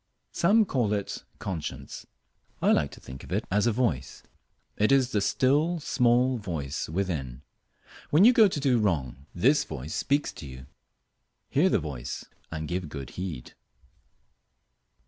Some call it "conscience." I like to think of it as a voice. It is the still, small voice within. When you go to do wrong this voice speaks to you. Hear the voice, and give good heed.